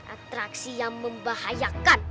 atraksi yang membahayakan